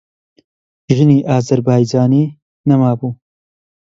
ژنی ئازەربایجانیی نەمابوو.